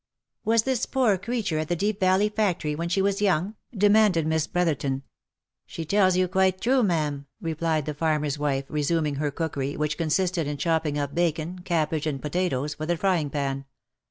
" Was this poor creature at the Deep Valley factory when she was young ?" demanded Miss Brotherton. " She tells you quite true, ma'am," replied the farmer's wife, re suming her cookery, which consisted in chopping up bacon, cabbage, and potatoes, for the frying pan.